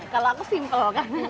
kalau aku simple kan